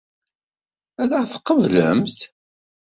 Ad ɣ-tqeblemt?